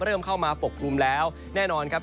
เริ่มเข้ามาปกกลุ่มแล้วแน่นอนครับ